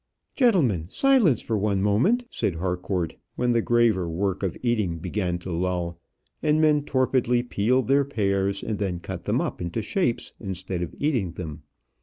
"Gentlemen, silence for one moment," said Harcourt, when the graver work of eating began to lull, and men torpidly peeled their pears, and then cut them up into shapes instead of eating them.